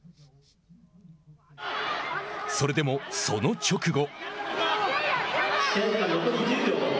それでもその直後。